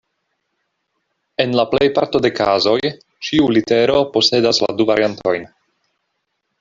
En la plej parto de kazoj, ĉiu litero posedas la du variantojn.